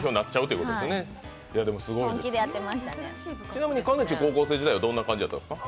ちなみにかねち高校時代はどんな感じだったんですか？